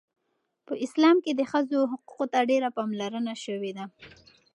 په اسلام کې د ښځو حقوقو ته ډیره پاملرنه شوې ده.